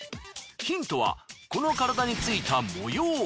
ヒントはこの体についた模様。